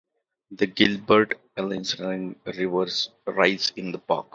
The Gilbert-Einasleigh Rivers rise in the park.